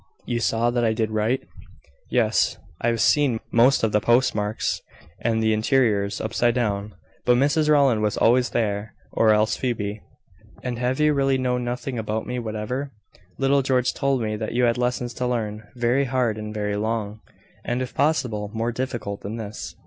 You saw that I did write?" "Yes. I have seen most of the post marks and the interiors upside down. But Mrs Rowland was always there or else Phoebe." "And have you really known nothing about me whatever?" "Little George told me that you had lessons to learn, very hard and very long, and, if possible, more difficult than his."